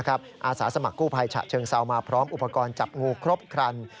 อาสาสมัครกู้ภัยฉะเชิงเซามาพร้อมอุปกรณ์จับงูครบครัน